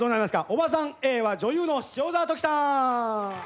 おばさんＡは女優の塩沢ときさん！